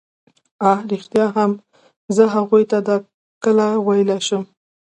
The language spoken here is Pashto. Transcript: اه ریښتیا هم زه هغو ته دا کله ویلای شم.